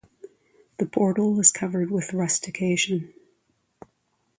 The portal is covered with rustication.